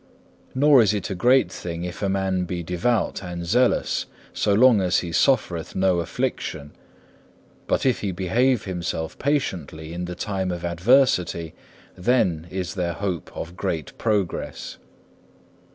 Nor is it a great thing if a man be devout and zealous so long as he suffereth no affliction; but if he behave himself patiently in the time of adversity, then is there hope of great progress.